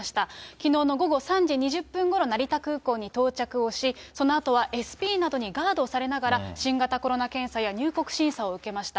きのうの午後３時２０分ごろ、成田空港に到着をし、そのあとはＳＰなどにガードされながら、新型コロナ検査や入国審査を受けました。